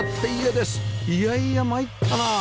いやいや参ったなあ